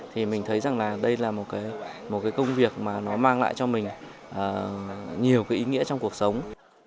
thì mình thấy rằng là đây là một cái công việc mà nó mang lại cho mình nhiều cái ý nghĩa trong cuộc sống